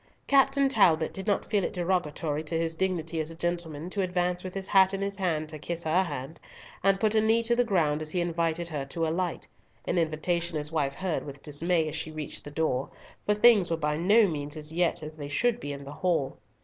Captain Talbot did not feel it derogatory to his dignity as a gentleman to advance with his hat in his hand to kiss her hand, and put a knee to the ground as he invited her to alight, an invitation his wife heard with dismay as she reached the door, for things were by no means yet as they should be in the hall.